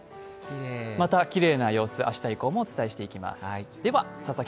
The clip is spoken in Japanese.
またきれいな様子、明日以降もお伝えしていきます。